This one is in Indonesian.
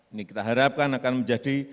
ini kita harapkan akan menjadi